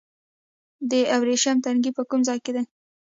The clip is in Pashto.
د ابریشم تنګی په کوم ځای کې دی؟